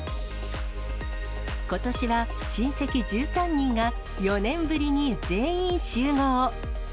ことしは親戚１３人が、４年ぶりに全員集合。